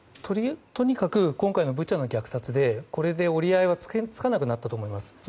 とにかく今回のブチャの虐殺でこれで折り合いがつかなくなったと思います。